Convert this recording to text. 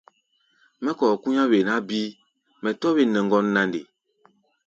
Mɛ́ kɔ̧ɔ̧ kú̧í̧á̧ wen há̧ bíí, mɛ tɔ̧́ wen nɛ ŋgɔ́n na nde?